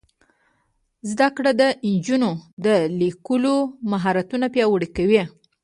زده کړه د نجونو د لیکلو مهارتونه پیاوړي کوي.